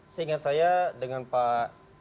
seingat saya dengan pak